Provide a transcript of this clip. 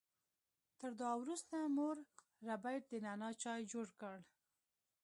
تر دعا وروسته مور ربیټ د نعنا چای جوړ کړ